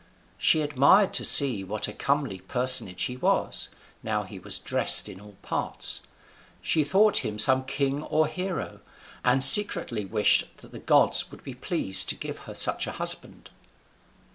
She admired to see what a comely personage he was, now he was dressed in all parts; she thought him some king or hero: and secretly wished that the gods would be pleased to give her such a husband.